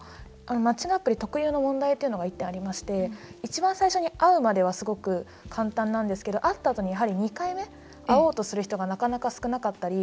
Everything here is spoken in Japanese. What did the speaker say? マッチングアプリ特有の問題というのが１点ありまして一番最初に会うまではすごく簡単なんですけど会ったあとにやはり２回目会おうとする人がなかなか少なかったり。